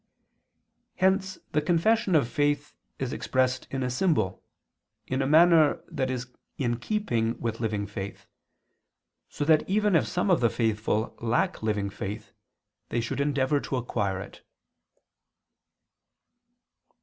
Hence the confession of faith is expressed in a symbol, in a manner that is in keeping with living faith, so that even if some of the faithful lack living faith, they should endeavor to acquire it.